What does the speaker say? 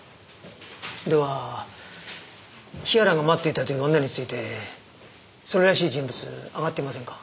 では日原が待っていたという女についてそれらしい人物挙がっていませんか？